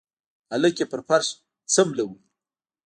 هلک يې په فرش سملوه.